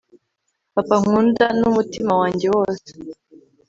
papa nkunda n'umutima wanjye wose